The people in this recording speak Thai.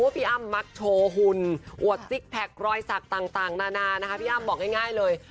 แบบชัดเจนเลย